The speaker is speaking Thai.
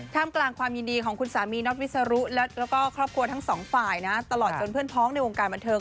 กลางความยินดีของคุณสามีน็อตวิสรุแล้วก็ครอบครัวทั้งสองฝ่ายนะตลอดจนเพื่อนพ้องในวงการบันเทิง